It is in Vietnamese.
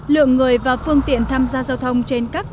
lượng người và phương tiện tham gia giao thông trên các cây xe máy